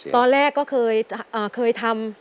ตอนแรกก็เคยทำ